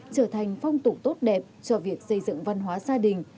trở thành phong tục tốt đẹp cho việc xây dựng văn hóa gia đình